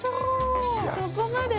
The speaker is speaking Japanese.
そこまで！？